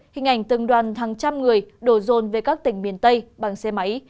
hình ảnh từng đoàn hàng trăm người đồ dồn về các tỉnh miền tây bằng xe máy